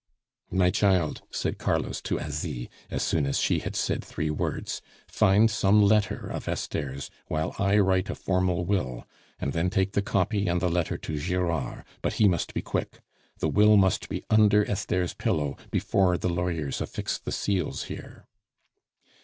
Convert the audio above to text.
"My child," said Carlos to Asie, as soon as she had said three words, "find some letter of Esther's while I write a formal will, and then take the copy and the letter to Girard; but he must be quick. The will must be under Esther's pillow before the lawyers affix the seals here."